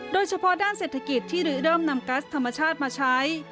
โดยเฉพาะด้านเศรษฐกิจที่เริ่มนำกัสธรรมชาติมาใช้